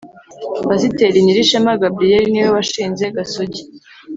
Pasiteri Nyirishema Gabriel niwe washinze gasogi